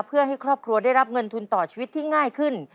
เพื่อให้ครอบครัวได้รับเงินทุนต่อชีวิตที่ง่ายขึ้น